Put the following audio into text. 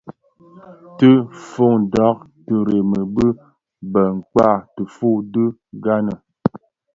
Ti foňdak tiremi bi bë nkak tifuu ti gani.